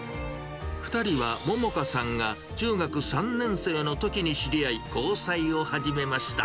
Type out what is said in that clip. ２人は桃華さんが中学３年生のときに知り合い、交際を始めました。